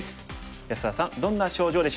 安田さんどんな症状でしょう。